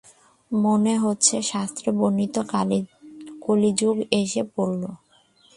মনে হচ্ছে শাস্ত্রে বর্ণিত কলিযুগ এসে পড়লো!